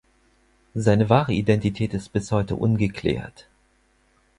Seine wahre Identität ist bis heute ungeklärt.